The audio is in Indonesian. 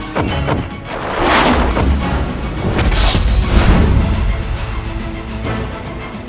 sungguh nama yang mengerikan